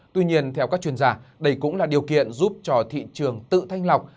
tuy nhiên theo các chuyên gia đây cũng là điều kiện giúp cho thị trường tự thanh lọc